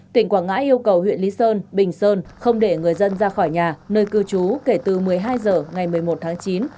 tỉnh quảng ngãi yêu cầu huyện lý sơn bình sơn không để người dân ra khỏi nhà nơi cư trú kể từ một mươi hai h ngày một mươi một tháng chín